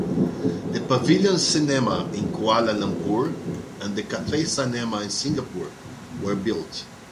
The Pavilion Cinema in Kuala Lumpur and the Cathay Cinema in Singapore were built.